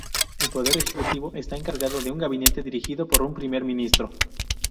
El poder ejecutivo está encargado a un gabinete dirigido por un Primer Ministro.